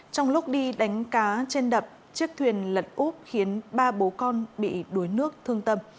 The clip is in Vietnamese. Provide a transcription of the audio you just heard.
trong lúc đi đánh cá trên đập chiếc thuyền lật úp khiến ba bố con bị đuối nước thương tâm